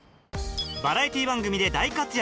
バラエティー番組で大活躍